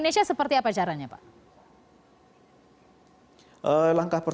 jadi percaya keselatanen